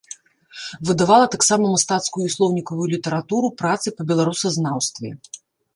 Выдавала таксама мастацкую і слоўнікавую літаратуру, працы па беларусазнаўстве.